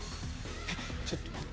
えっちょっと待って。